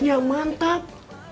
ini kurma ajwa pak ustad